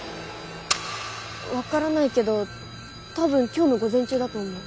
分からないけど多分今日の午前中だと思う。